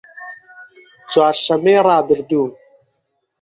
چوارشەممەی ڕابردوو